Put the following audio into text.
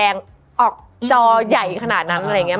มันทำให้ชีวิตผู้มันไปไม่รอด